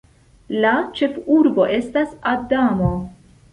La ĉefurbo estas Adamo.